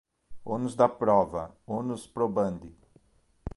ônus da prova, onus probandi